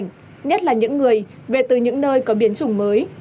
nhất là những người về từ những nơi có biến chủng mới